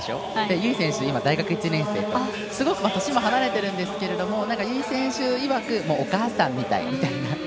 由井選手、今大学１年生とすごく年も離れているんですけど由井選手いわくお母さんみたいみたいな。